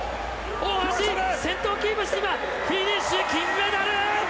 大橋、先頭をキープして今フィニッシュ！